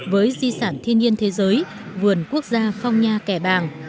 với di sản thiên nhiên thế giới vườn quốc gia phong nha kẻ bàng